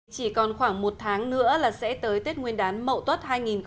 chỉ còn khoảng một tháng nữa là sẽ tới tết nguyên đán mậu tuất hai nghìn một mươi tám